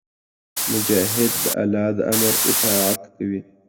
مجاهد د الله د امر اطاعت کوي.